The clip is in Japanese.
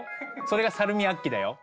それがサルミアッキだよ。